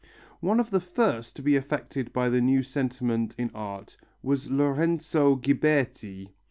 One of the first to be affected by the new sentiment in art was Lorenzo Ghiberti.